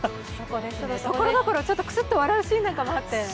ところどころ、クスッと笑うシーンもあって。